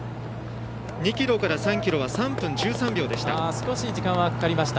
２ｋｍから３ｋｍが３分１３秒でした。